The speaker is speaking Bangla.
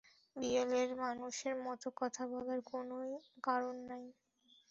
বিড়ালের মানুষের মতো কথা বলার কোনোই কারণ নেই।